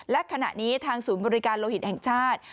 และขณะนี้ทางศูนย์บริการโลหิตแห่งชาติ